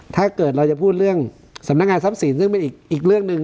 ถ้าเกิดเราจะพูดเรื่องสำนักงานทรัพย์สินซึ่งเป็นอีกเรื่องหนึ่ง